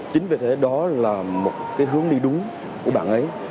chính vì thế đó là một cái hướng đi đúng của bạn ấy